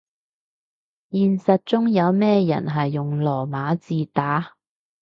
現實中有咩人係用羅馬字打